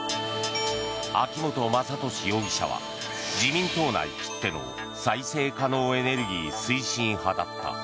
秋本真利容疑者は自民党内きっての再生可能エネルギー推進派だった。